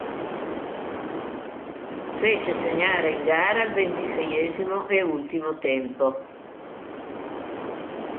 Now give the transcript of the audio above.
Fece segnare in gara il ventiseiesimo e ultimo tempo.